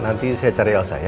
nanti saya cari elsa ya